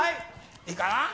いいかな。